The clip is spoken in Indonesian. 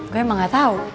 gue emang gak tau